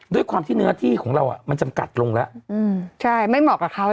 ด้วยความที่เนื้อที่ของเราอ่ะมันจำกัดลงแล้วอืมใช่ไม่เหมาะกับเขา